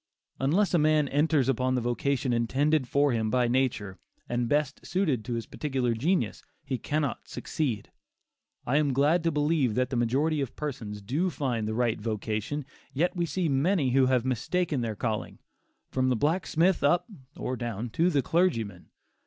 Unless a man enters upon the vocation intended for him by nature, and best suited to his peculiar genius, he cannot succeed. I am glad to believe that the majority of persons do find the right vocation. Yet we see many who have mistaken their calling, from the blacksmith up (or down) to the clergyman.